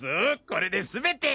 これですべて！